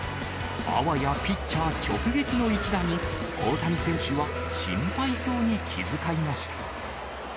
あわやピッチャー直撃の一打に、大谷選手は、心配そうに気遣いました。